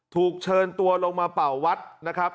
ถูกเชิญตัวลงมาเป่าวัดนะครับ